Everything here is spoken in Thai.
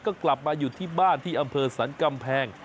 ก็กลับมาอยู่ที่บ้านที่อำเภอสรรกำแพง